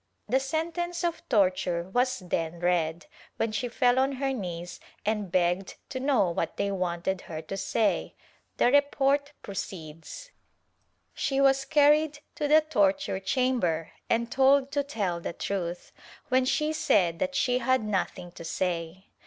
The sentence of torture was then read, when she fell on her knees and begged to know what they wanted her to say. The report proceeds : She was carried to the torture chamber and told to tell the truth, when she said that she had nothing to say.